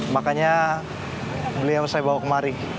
makanya beliau saya bawa kemari